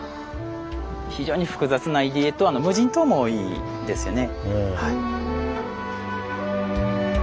非常に複雑な入り江と無人島も多いんですよね。